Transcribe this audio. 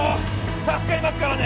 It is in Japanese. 助かりますからね